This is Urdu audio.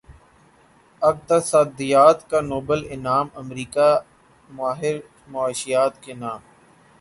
اقتصادیات کا نوبل انعام امریکی ماہر معاشیات کے نام